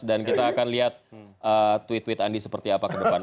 dan kita akan lihat tweet tweet andi seperti apa ke depan